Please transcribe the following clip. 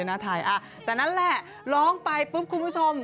เธอหน้าไทยแต่นั่นแหละร้องไปปุ๊บคุณผู้ชม